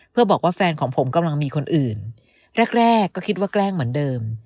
เพื่อบอกว่าแฟนของผมกำลังมีคนอื่นแรกก็คิดว่าแกล้งเหมือนเดิม